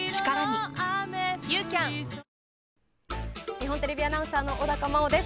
日本テレビアナウンサーの小高茉緒です。